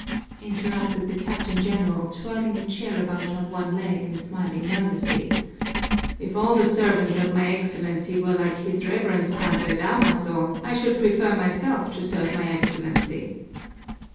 interrupted the Captain General, twirling a chair about on one leg and smiling nervously, "if all the servants of my Excellency were like his Reverence, Padre Damaso, I should prefer myself to serve my Excellency!"